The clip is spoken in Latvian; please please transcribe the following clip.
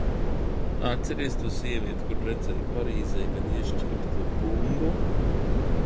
Atceries to sievieti, kuru redzēju Parīzē, kad iešķieba to bumbu?